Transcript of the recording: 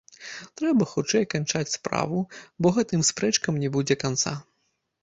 Трэба хутчэй канчаць справу, бо гэтым спрэчкам не будзе канца.